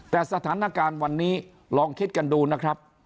แต่สถานการณ์วันนี้ลองคิดกันดูนะครับ